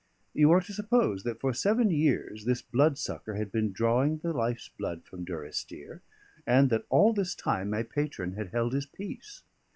You are to suppose that for seven years this bloodsucker had been drawing the life's blood from Durrisdeer, and that all this time my patron had held his peace.